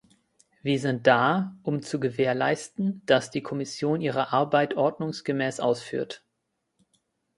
Wir sind da, um zu gewährleisten, dass die Kommission ihre Arbeit ordnungsgemäß ausführt.